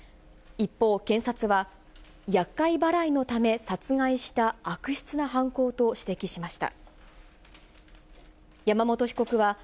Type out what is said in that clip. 一方、検察は、やっかい払いのため殺害した悪質な犯行と指摘しました。